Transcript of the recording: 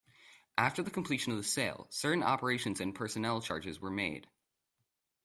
After the completion of the sale, certain operations and personnel changes were made.